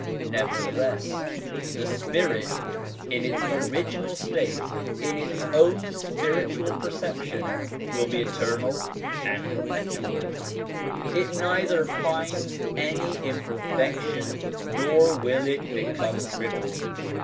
Nevertheless, the spirit in its original state, in its own spiritual perception, will be eternal and perpetual; it neither finds any imperfec tion nor will it become crippled.